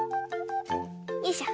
よいしょ。